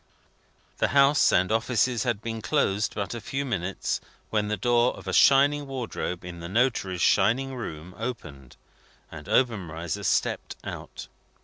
The house and offices had been closed but a few minutes, when the door of a shining wardrobe in the notary's shining room opened, and Obenreizer stopped out.